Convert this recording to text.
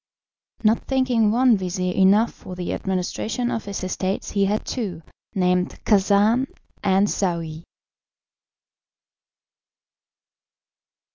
Not thinking one vizir enough for the administration of his estates he had two, named Khacan and Saouy.